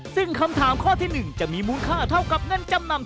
ซึ่งคำถามข้อที่๑จะมีมูลค่าเท่ากับเงินจำนำ